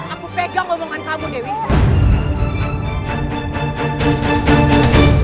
aku pegang omongan kamu dewi